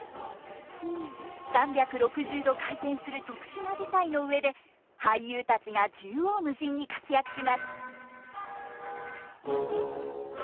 ３６０度回転する特殊な舞台の上で俳優たちが縦横無尽に活躍します。